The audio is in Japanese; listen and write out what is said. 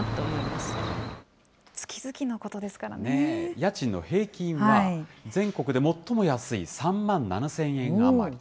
家賃の平均は、全国で最も安い３万７０００円余り。